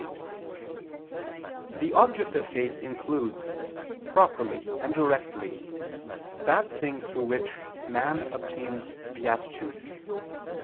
8), the object of faith includes, properly and directly, that thing through which man obtains beatitude.